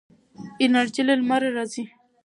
انرژي له لمره راځي.